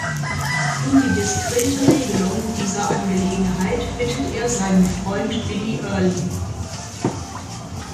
Um die diskrete Regelung dieser Angelegenheit bittet er seinen Freund Billy Early.